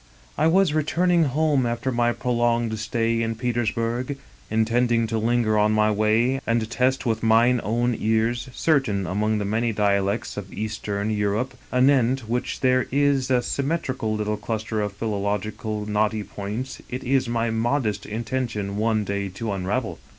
" I was returning home after my prolonged stay in Pe tersburg, intending to linger on my way and test with mine 114 Egerton Castle own ears certain among the many dialects of Eastern Eu« rope — ^anent which there is a symmetrical little cluster of philological knotty points it is my modest intention one day to unravel.